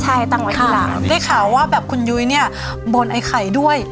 ใช่ตั้งไว้ที่หลังได้ข่าวว่าแบบคุณยุ้ยเนี่ยบนไอ้ไข่ด้วย